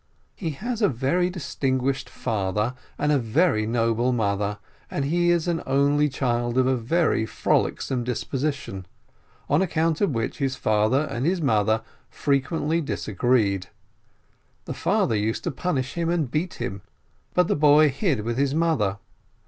He has a very distinguished father and a very noble mother, and he is an only child, of a very frolicsome disposition, on account of which his father and his mother frequently disagreed; the father used to punish him and beat him, but the boy hid with his mother.